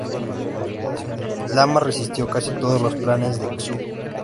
Lamas resistió casi todos los planes de Xu.